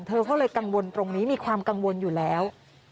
เธอก็เลยกังวลตรงนี้มีความกังวลอยู่แล้ว